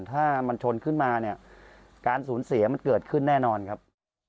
ถ้ามันชนขึ้นมาเนี่ยการสูญเสียมันเกิดขึ้นแน่นอนครับ